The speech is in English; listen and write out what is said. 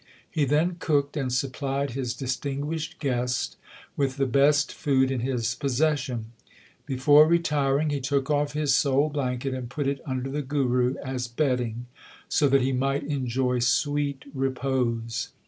He then cooked and supplied his distinguished guest with the best food in his possession. Before retiring he took off his sole blanket, and put it under the Guru as bedding, so that he might enjoy sweet repose.